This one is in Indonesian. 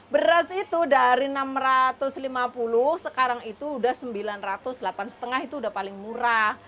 beras itu dari enam ratus lima puluh sekarang itu udah sembilan ratus delapan lima itu udah paling murah